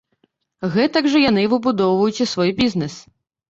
Гэтак жа яны выбудоўваюць і свой бізнес.